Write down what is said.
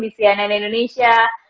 di sianen indonesia